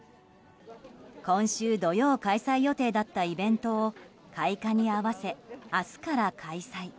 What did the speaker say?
今週土曜開催予定だったイベントを開花に合わせ、明日から開催。